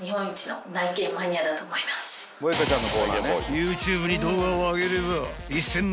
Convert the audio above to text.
［ＹｏｕＴｕｂｅに動画を上げれば１，０００万